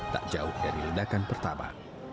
tak jauh dari ledakan pertama